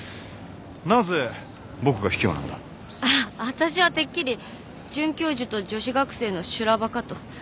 わたしはてっきり准教授と女子学生の修羅場かと。